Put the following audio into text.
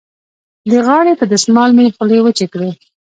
د غاړې په دستمال مې خولې وچې کړې.